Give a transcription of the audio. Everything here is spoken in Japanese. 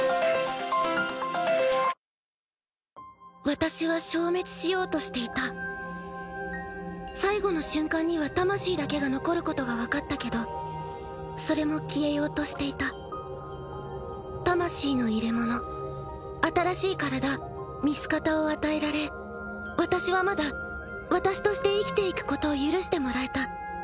私は消滅しようとしていた最後の瞬間には魂だけが残ることが分かったけどそれも消えようとしていた魂の入れ物新しい体御姿を与えられ私はまだ私として生きていくことを許してもらえた